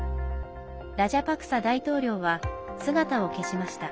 ラジャパクサ大統領は姿を消しました。